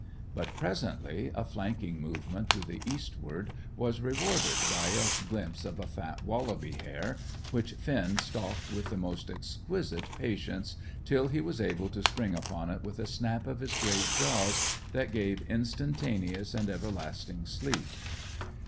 But presently a flanking movement to the eastward was rewarded by a glimpse of a fat wallaby hare, which Finn stalked with the most exquisite patience, till he was able to spring upon it with a snap of his great jaws that gave instantaneous and everlasting sleep.